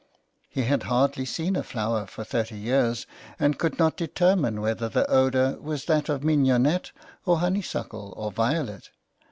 He had hardly seen a flower for thirty years, and could not determine whether the odour was that of mignonette, or honeysuckle, or violet.